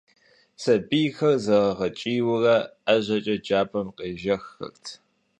Сэбийхэр зэрыгъэкӏийуэ ӏэжьэкӏэ джабэм къежэххэрт.